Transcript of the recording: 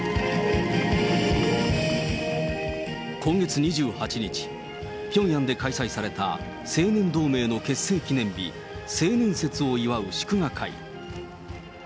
今月２８日、ピョンヤンで開催された青年同盟の結成記念日、青年節を祝う祝賀会。